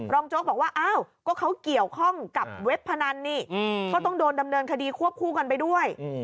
โจ๊กบอกว่าอ้าวก็เขาเกี่ยวข้องกับเว็บพนันนี่ก็ต้องโดนดำเนินคดีควบคู่กันไปด้วย